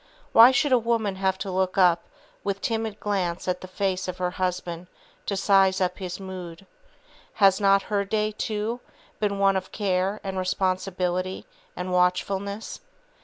Why should a woman have to look up with timid glance at the face of her husband, to "size up his mood"? Has not her day, too, been one of care, and responsibility, and watchfulness?